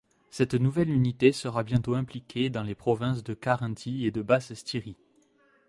Cette nouvelle unité sera bientôt impliquée dans les provinces de Carinthie et de Basse-Styrie.